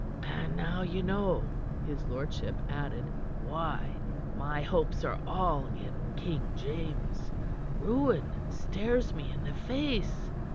"And now you know," his lordship added, "why my hopes are all in King James. Ruin stares me in the face.